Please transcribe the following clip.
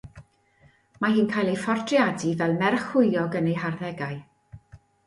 Mae hi'n cael ei phortreadu fel merch hwyliog yn ei harddegau.